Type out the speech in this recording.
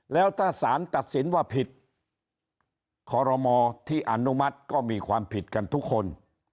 แล้วถ้าสารตัดสินว่าผิดคอรมอที่อนุมัติก็มีความผิดกันทุกคน